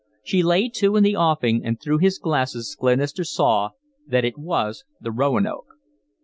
She lay to in the offing, and through his glasses Glenister saw that it was the Roanoke.